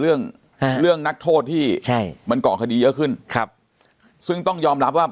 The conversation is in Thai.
เรื่องเรื่องนักโทษที่ใช่มันก่อคดีเยอะขึ้นครับซึ่งต้องยอมรับว่า